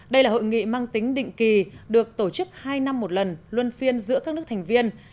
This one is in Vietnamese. đây là hội nghị mang tính định kỳ được tổ chức hai năm một lần luân phiên giữa các nước thành viên